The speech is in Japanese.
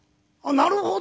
なるほど。